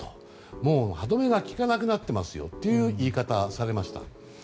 もう歯止めが利かなくなっていますよという言い方をされました。